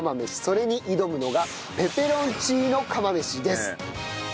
それに挑むのがペペロンチーノ釜飯です。